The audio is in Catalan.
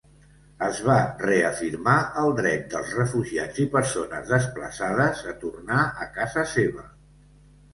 Es va reafirmar el dret dels refugiats i persones desplaçades a tornar a casa seva.